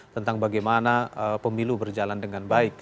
tentang bagaimana pemilu berjalan dengan baik